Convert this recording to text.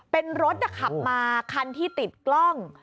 เป็นรถขับมาคันที่ติดกล้อง